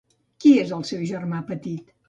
Qui és el seu germà petit?